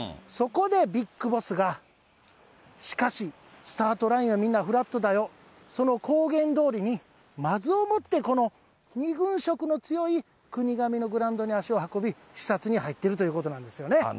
そこでビッグボスが、しかし、スタートラインはみんなフラットだよ、その公言どおりに、まずをもって、２軍色の強い国頭のグランドに足を運び、視察に入ってるということなんですよね。